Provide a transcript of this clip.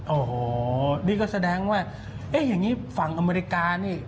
โอ้โหนี่ก็แสดงว่าเอ๊ะอย่างนี้ฝั่งอเมริกานี่